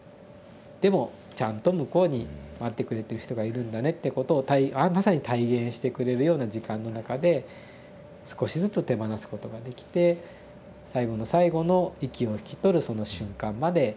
でもちゃんと向こうに待ってくれてる人がいるんだねってことをまさに体現してくれるような時間の中で少しずつ手放すことができて最期の最期の息を引き取るその瞬間まで家族で見守ることが。